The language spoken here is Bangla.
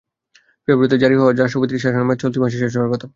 ফেব্রুয়ারিতে জারি হওয়া রাষ্ট্রপতির শাসনের মেয়াদ চলতি মাসে শেষ হওয়ার কথা।